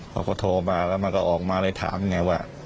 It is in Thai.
เขาก็โทรมาแล้วมันก็ออกมาเลยถามไงว่า